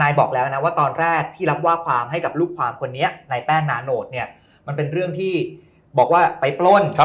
บอกแล้วนะว่าตอนแรกที่รับว่าความให้กับลูกความคนนี้ในแป้งนาโนตเนี่ยมันเป็นเรื่องที่บอกว่าไปปล้น